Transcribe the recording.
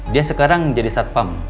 dia sekarang jadi satpam